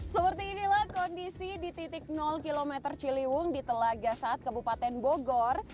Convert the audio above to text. seperti inilah kondisi di titik km ciliwung di telaga saat kabupaten bogor